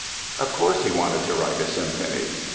Of course he wanted to write a symphony.